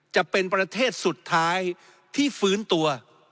จะเป็นประเทศสุดท้ายที่ฟื้นตัว